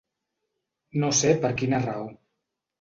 No sé per quina raó.